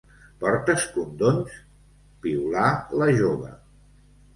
Portes condons? —piulà la jove.